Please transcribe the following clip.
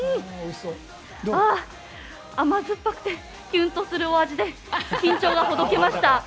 甘酸っぱくてきゅんとするお味で緊張がほどけました。